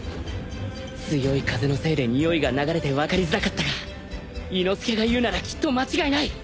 強い風のせいでにおいが流れて分かりづらかったが伊之助が言うならきっと間違いない